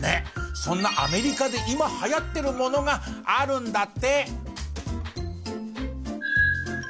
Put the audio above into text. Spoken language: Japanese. そんなアメリカで今はやってるものがあるんだって。